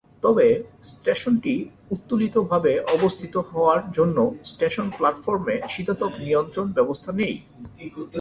তবে, স্টেশনটি উত্তোলিত ভাবে অবস্থিত হওয়ার জন্য স্টেশন প্ল্যাটফর্মে শীতাতপ নিয়ন্ত্রণ ব্যবস্থা নেই।